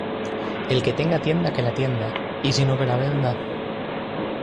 El que tenga tienda que la atienda, y si no que la venda.